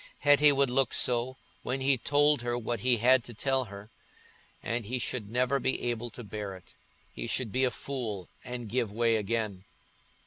Hetty would look so, when he told her what he had to tell her; and he should never be able to bear it—he should be a fool and give way again.